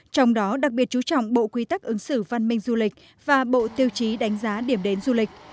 trong đó đặc biệt chú trọng bộ quy tắc ứng xử văn minh du lịch và bộ tiêu chí đánh giá điểm đến du lịch